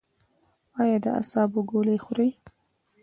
ایا د اعصابو ګولۍ خورئ؟